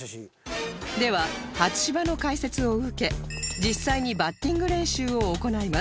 では初芝の解説を受け実際にバッティング練習を行います